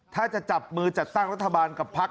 ถ้าจะจับมือจัดตั้งรัฐบาลกับพัก